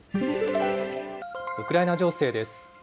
ウクライナ情勢です。